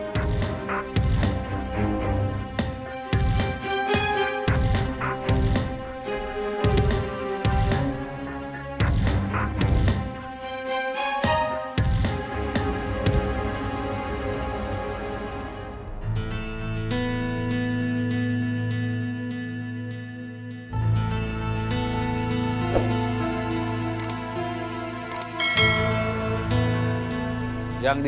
harusnya panggil bang mawardi